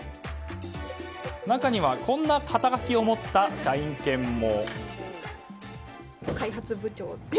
中には、こんな肩書きを持った社員犬も。